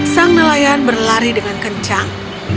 sang nelayan berlari dengan kencang